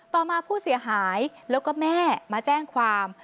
ต่อมาผู้เสียหายแล้วก็แม่มาแจ้งความ